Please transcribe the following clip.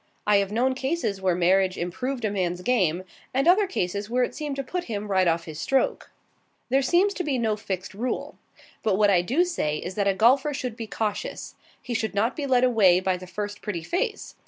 I have known cases where marriage improved a man's game, and other cases where it seemed to put him right off his stroke. There seems to be no fixed rule. But what I do say is that a golfer should be cautious. He should not be led away by the first pretty face.